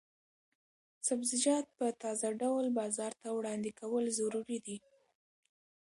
سبزیجات په تازه ډول بازار ته وړاندې کول ضروري دي.